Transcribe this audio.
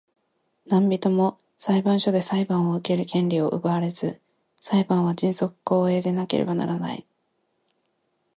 何人（なんびと）も裁判所で裁判を受ける権利を奪われず、裁判は迅速公平でなければならない。